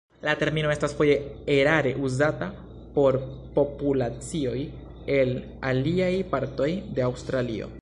La termino estas foje erare uzata por populacioj el aliaj partoj de Aŭstralio.